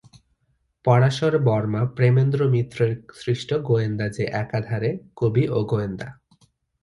পরাশর বর্মা প্রেমেন্দ্র মিত্রের সৃষ্ট গোয়েন্দা যে একাধারে কবি ও গোয়েন্দা।